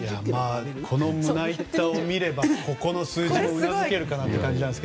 この胸板を見ればここの数字もうなずける感じで。